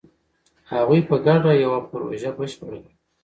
هغوی په ګډه یوه پروژه بشپړه کړه.